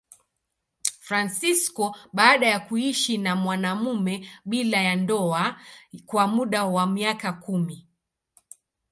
Fransisko baada ya kuishi na mwanamume bila ya ndoa kwa muda wa miaka kumi.